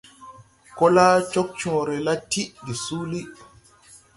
Kola Cogcõõre la tiʼ de suuli.